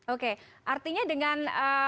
oke artinya dengan